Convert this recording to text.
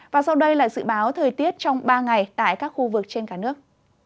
và sau đây là dự báo thời tiết trong ba ngày tại các khu vực trên cả nước